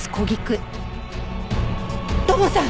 土門さん！